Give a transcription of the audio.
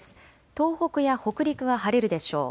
東北や北陸は晴れるでしょう。